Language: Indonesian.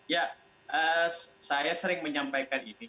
ya saya sering menyampaikan ini